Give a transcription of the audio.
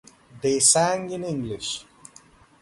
They sang in English.